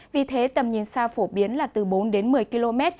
vì thế tầm nhìn xa phổ biến là từ bốn đến một mươi km